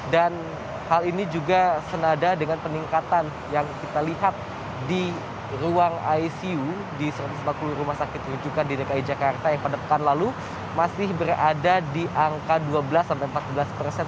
dan hal ini juga senada dengan peningkatan yang kita lihat di ruang icu di satu ratus empat puluh rumah sakit rujukan ddki jakarta yang pada pekan lalu masih berada di angka dua belas empat belas persen